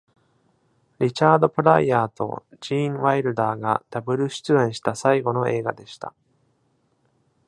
リチャード・プライアーとジーン・ワイルダーがダブル主演した最後の映画でした。